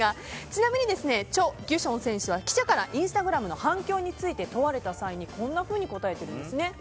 ちなみに、チョ・ギュソン選手は記者からインスタグラムの反響について問われた際にこんなふうに答えているんですね。